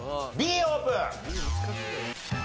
Ｂオープン！